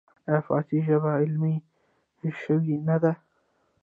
آیا فارسي ژبه علمي شوې نه ده؟